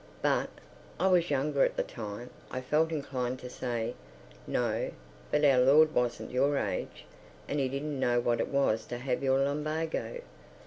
But—I was younger at the time—I felt inclined to say, "No, but our Lord wasn't your age, and he didn't know what it was to have your lumbago."